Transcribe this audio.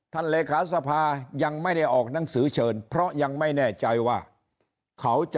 เลขาสภายังไม่ได้ออกหนังสือเชิญเพราะยังไม่แน่ใจว่าเขาจะ